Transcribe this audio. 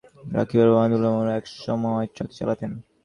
পারিবারিক সূত্রে জানা যায়, রাকিবের বাবা নুরুল আলম একসময় ট্রাক চালাতেন।